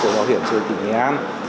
của bảo hiểm xã hội nghệ an